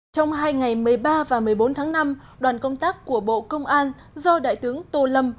trong hai ngày một mươi ba và một mươi bốn tháng năm đoàn công tác của bộ công an do đại tướng tô lâm